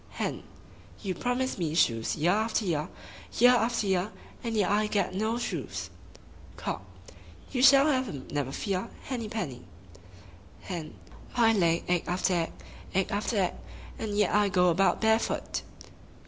Hen —You promise me shoes year after year, year after year, and yet I get no shoes! Cock —You shall have them, never fear! Henny penny! Hen —I lay egg after egg, egg after egg, and yet I go about barefoot!